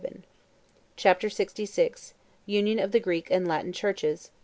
] Chapter LXVI: Union Of The Greek And Latin Churches.